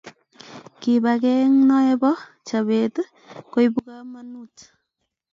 Kibakeng nebo chabet koibu kamanut